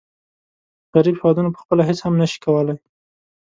غریب هېوادونه پخپله هیڅ هم نشي کولای.